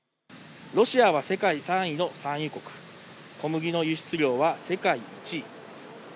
ロシアは世界３位の産油国、小麦の輸出量が世界１位。